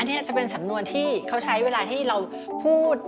อันนี้อาจจะเป็นสำนวนที่เขาใช้เวลาที่เราพูด